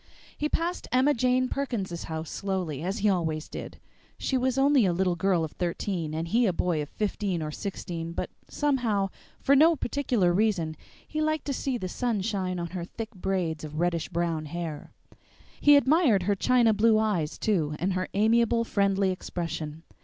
He passed Emma Jane Perkins's house slowly, as he always did. She was only a little girl of thirteen and he a boy of fifteen or sixteen, but somehow, for no particular reason, he liked to see the sun shine on her thick braids of reddish brown hair. He admired her china blue eyes too, and her amiable, friendly expression.